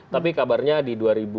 tapi kabarnya di dua ribu lima belas